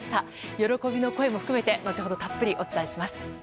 喜びの声も含めて後ほどたっぷりお伝えします。